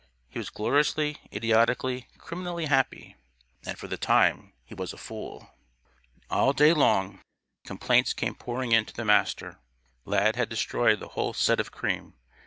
He was gloriously, idiotically, criminally happy. And, for the time, he was a fool. All day long, complaints came pouring in to the Master. Lad had destroyed the whole "set" of cream.